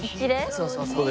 そうそうそう。